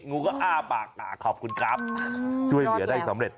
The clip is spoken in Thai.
งูก็อ้าปากขอบคุณครับช่วยเหลือได้สำเร็จ